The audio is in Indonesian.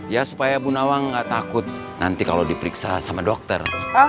ya supaya bu nawang nggak takut nanti kalau diperiksa sama dokter